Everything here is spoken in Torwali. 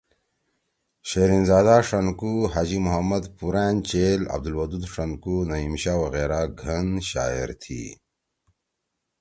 شرین زادا ݜنکو، حاجی محمد پُورأن چیل، عبدلودود ݜنکو، نعیم شاہ وغیرہ گھن شاعر تھی۔